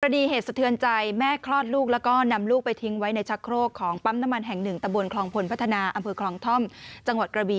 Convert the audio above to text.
ดีเหตุสะเทือนใจแม่คลอดลูกแล้วก็นำลูกไปทิ้งไว้ในชักโครกของปั๊มน้ำมันแห่งหนึ่งตะบนคลองพลพัฒนาอำเภอคลองท่อมจังหวัดกระบี